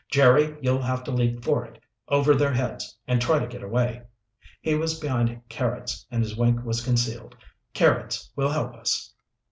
Jerry, you'll have to leap for it, over their heads, and try to get away." He was behind Carrots and his wink was concealed. "Carrots will help us."